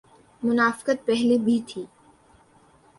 منافقت پہلے بھی تھی۔